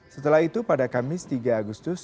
setelah itu pada kamis tiga agustus